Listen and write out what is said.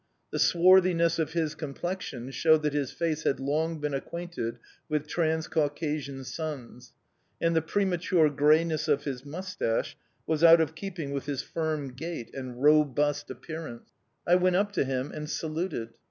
The swarthiness of his complexion showed that his face had long been acquainted with Transcaucasian suns, and the premature greyness of his moustache was out of keeping with his firm gait and robust appearance. I went up to him and saluted.